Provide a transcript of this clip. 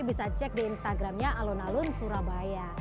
bisa cek di instagramnya alun alun surabaya